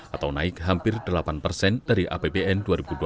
atau naik hampir delapan dari rapbn dua ribu dua puluh tiga